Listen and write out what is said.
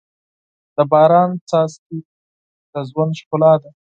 د باران څاڅکي د ژوند ښکلا ده.